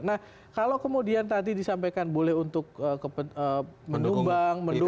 nah kalau kemudian tadi disampaikan boleh untuk mendukung bank